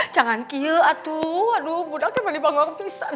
jangan kie aduh aduh budaknya mali bangun